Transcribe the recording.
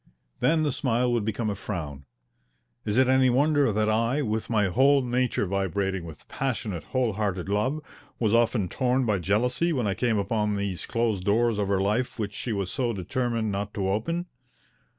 Then the smile would become a frown. Is it any wonder that I, with my whole nature vibrating with passionate, whole hearted love, was often torn by jealousy when I came upon those closed doors of her life which she was so determined not to open?